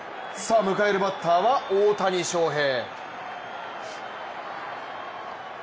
迎えるバッターは大谷翔平。